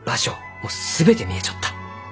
もう全て見えちょった。